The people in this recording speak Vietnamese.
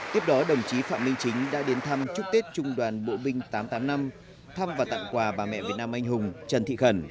tiếp đó đồng chí phạm minh chính đã đến thăm chúc tết trung đoàn bộ binh tám trăm tám mươi năm thăm và tặng quà bà mẹ việt nam anh hùng trần thị khẩn